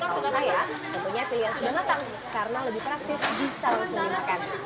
kalau saya tentunya pilihan sudah matang karena lebih praktis bisa langsung dimakan